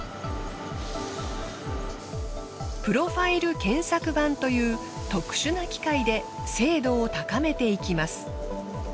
プロファイル研削盤という特殊な機械で精度を高めていきます。